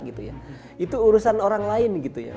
itu urusan orang lain gitu ya